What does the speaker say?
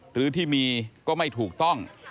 หรือที่มีก็ไม่ถูกต้อง